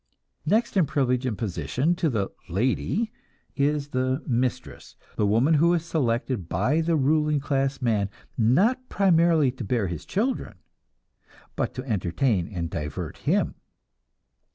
Next in privilege and position to the "lady" is the mistress, the woman who is selected by the ruling class man, not primarily to bear his children, but to entertain and divert him.